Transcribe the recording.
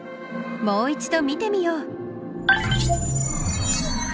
もう一度見てみよう。